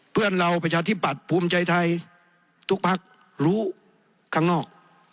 เพื่อนเราประชาธิปัตย์ภูมิใจไทยทุกพักรู้ข้างนอก